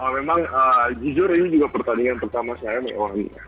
memang jujur ini juga pertandingan pertama saya memohony